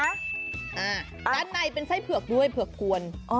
ด้านในเป็นไส้เผือกด้วยเผือกกวน